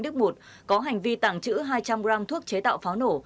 phổ thạnh đức một có hành vi tàng trữ hai trăm linh gram thuốc chế tạo pháo nổ